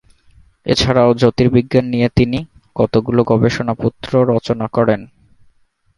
এছাড়াও জ্যোতির্বিজ্ঞান নিয়ে তিনি কতগুলো গবেষণাপত্র রচনা করেন।